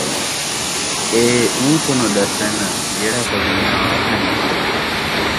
اِیہ اُوں کنُوں ݙردِن جِہڑا کُجھ اِنھاں اَپڑیں ہتھیں